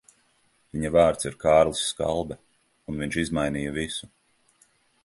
Viņa vārds ir Kārlis Skalbe, un viņš izmainīja visu.